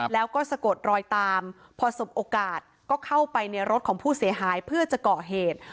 แล้วก็สะกดรอยตามพอสบโอกาสก็เข้าไปในรถของผู้เสียหายเพื่อจะก่อเหตุ